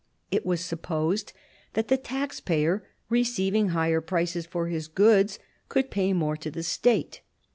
It was supposed that the tax payer receiving higher prices for his goods could pay more to the State.